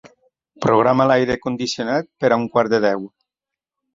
Programa l'aire condicionat per a un quart de deu.